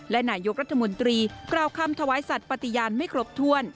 และนายกรัฐมนตรีกล่าวคำถวายสัตว์ปฏิญาณไม่ครบถ้วน